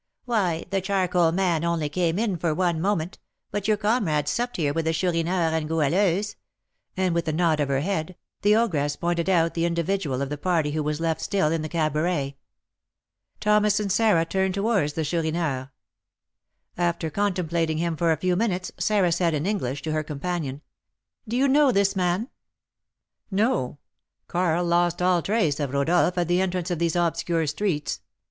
"Why, the charcoal man only came in for one moment; but your comrade supped here with the Chourineur and Goualeuse;" and with a nod of her head, the ogress pointed out the individual of the party who was left still in the cabaret. Thomas and Sarah turned towards the Chourineur. After contemplating him for a few minutes, Sarah said, in English, to her companion, "Do you know this man?" "No; Karl lost all trace of Rodolph at the entrance of these obscure streets.